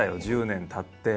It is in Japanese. １０年たって。